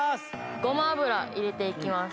ごま油入れていきます。